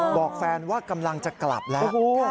บอกแฟนว่ากำลังจะกลับแล้ว